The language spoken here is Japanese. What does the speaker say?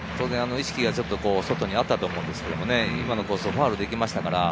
意識が外にあったと思うんですけどね、今のコースをファウルで行きましたから。